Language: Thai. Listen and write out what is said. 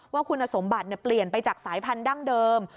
ว่าคุณสมบัติเปลี่ยนไปจากสายพันธั้งเดิม